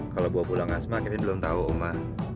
kalau bawa pulang asma kita belum tahu oma